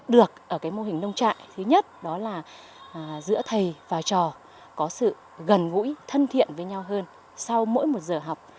được ở cái mô hình nông trại thứ nhất đó là giữa thầy và trò có sự gần gũi thân thiện với nhau hơn sau mỗi một giờ học